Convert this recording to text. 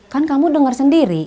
kan kamu dengar sendiri